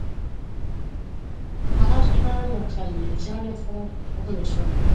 هغه شپه له خلیل زاده سره په خبرو شوم.